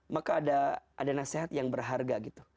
maka ada nasihat yang berharga gitu